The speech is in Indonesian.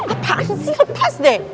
apaan sih lepas deh